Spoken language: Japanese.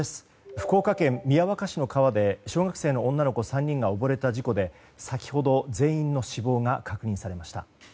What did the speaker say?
福岡県宮若市の川で小学生の女の子３人が溺れた事故で先ほど全員の死亡が確認されました。